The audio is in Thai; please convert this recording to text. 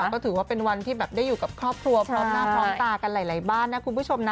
ก็ถือว่าเป็นวันที่แบบได้อยู่กับครอบครัวพร้อมหน้าพร้อมตากันหลายบ้านนะคุณผู้ชมนะ